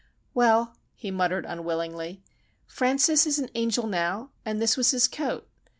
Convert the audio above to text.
"Well," he muttered, unwillingly, "Francis is an angel now, and this was his coat.